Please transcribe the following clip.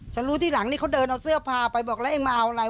รู้ทีหลังนี่เขาเดินเอาเสื้อผ้าไปบอกแล้วเองมาเอาอะไร